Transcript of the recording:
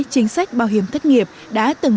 chính sách bảo hiểm thất nghiệp đã từng